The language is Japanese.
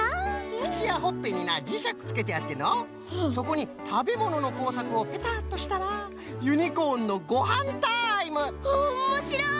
くちやほっぺになじしゃくつけてあってのうそこにたべもののこうさくをペタッとしたらユニコーンのごはんタイム！わおもしろい！